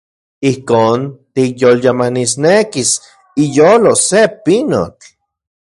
Ijkon tikyolyamanisnekis iyolo se pinotl.